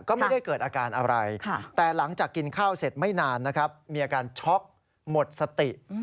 ก็ไม่ได้เกิดอาการอะไรแต่หลังจากกินข้าวเสร็จไม่นานนะครับมีอาการช็อกหมดสติ